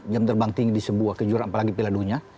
yang terbang tinggi di sebuah kejuaraan apalagi pilihan dunia